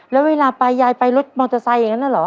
แล้วเวลาไปยายไปรถมอเตอร์ไซค์อย่างนั้นน่ะเหรอ